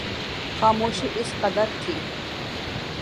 خاموشی اس قدر تھی